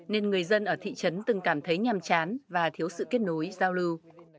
nên người dân ở thị trấn từng cảm thấy nhàm chán và thiếu sự kết nối giao lưu